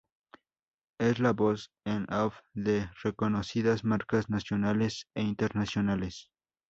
Es la voz en off de reconocidas marcas nacionales e internacionales.